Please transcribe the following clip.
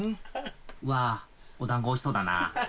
うわお団子おいしそうだな。